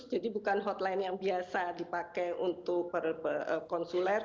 jadi bukan hotline yang biasa dipakai untuk konsuler